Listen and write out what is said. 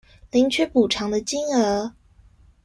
領取補償的金額